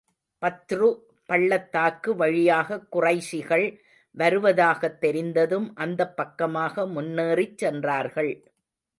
பத்ரு பள்ளத்தாக்கு வழியாகக் குறைஷிகள் வருவதாகத் தெரிந்ததும், அந்தப் பக்கமாக முன்னேறிச் சென்றார்கள்.